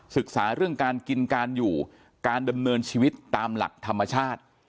ศึกษาเรื่องการกินการอยู่การดำเนินชีวิตตามหลักธรรมชาติ